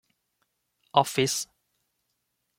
ออฟฟิศ